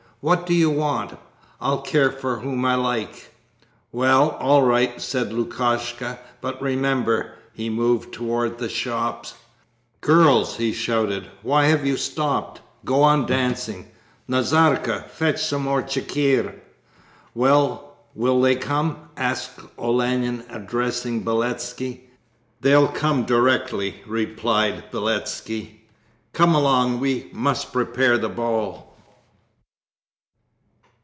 What do you want? I'll care for whom I like!' 'Well, all right...' said Lukashka, 'but remember!' He moved towards the shop. 'Girls!' he shouted, 'why have you stopped? Go on dancing. Nazarka, fetch some more chikhir.' 'Well, will they come?' asked Olenin, addressing Beletski. 'They'll come directly,' replied Beletski. 'Come along, we must prepare the ball.'